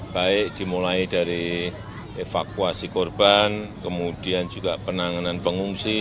baik dimulai dari evakuasi korban kemudian juga penanganan pengungsi